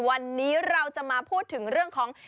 วันนี้เราจะมาพูดถึงเรื่องของ